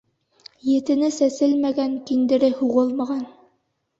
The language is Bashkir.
Етене сәселмәгән, киндере һуғылмаған.